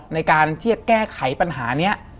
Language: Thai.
ในการที่จะแก้ไขปัญหานี้